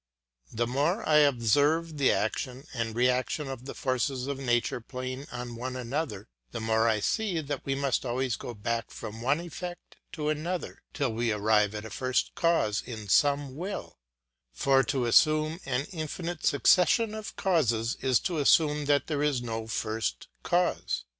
The more I observe the action and reaction of the forces of nature playing on one another, the more I see that we must always go back from one effect to another, till we arrive at a first cause in some will; for to assume an infinite succession of causes is to assume that there is no first cause.